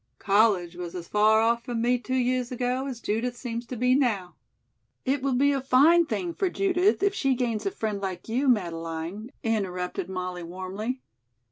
College was as far off from me two years ago as Judith seems to be now " "It will be a fine thing for Judith if she gains a friend like you, Madeleine," interrupted Molly warmly.